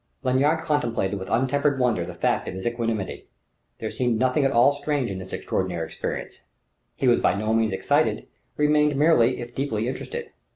Lanyard contemplated with untempered wonder the fact of his equanimity: there seemed nothing at all strange in this extraordinary experience; he was by no means excited, remained merely if deeply interested.